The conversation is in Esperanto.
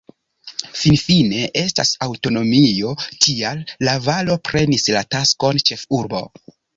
Finfine estas aŭtonomio, tial La-Valo prenis la taskon ĉefurbo.